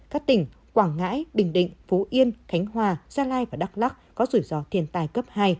các tỉnh quảng ngãi bình định phú yên khánh hòa gia lai và đắk lắc có rủi ro thiên tai cấp hai